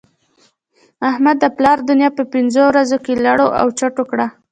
احمد د پلا دونيا په پنځو ورځو کې لړو او چټو کړه.